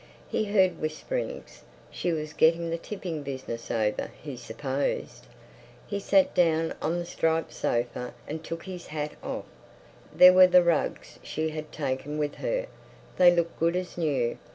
He heard whisperings. She was getting the tipping business over, he supposed. He sat down on the striped sofa and took his hat off. There were the rugs she had taken with her; they looked good as new.